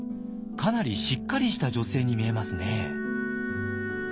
かなりしっかりした女性に見えますね。